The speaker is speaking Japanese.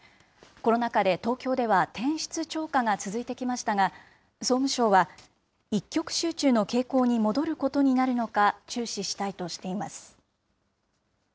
コロナ禍で東京では転出超過が続いてきましたが、総務省は一極集中の傾向に戻ることになるのか、注視したいとしています。